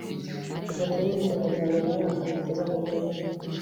ifoto y umutungo za buri mwaka ziteganijwe muri